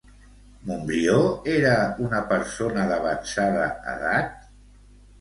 Montbrió era una persona d'avançada edat?